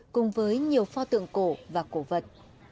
cùng với nhiều pho tượng cổ và cổ vật